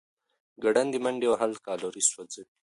ګړندۍ منډه وهل کالوري سوځوي.